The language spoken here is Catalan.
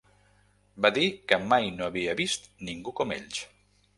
Va dir que mai no havia vist ningú com ells.